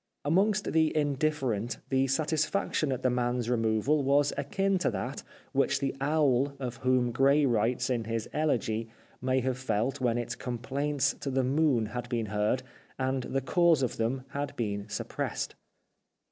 Amongst the indifferent the satisfaction at the man's removal was akin to that which the owl of whom Gray writes in his Elegy may have felt when its complaints to the moon had been heard, and the cause of them had been suppressed.